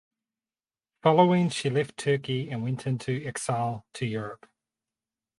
Following she left Turkey and went into exile to Europe.